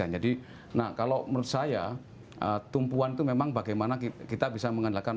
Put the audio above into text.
jadi kalau menurut saya tumpuan itu memang bagaimana kita bisa mengendalikan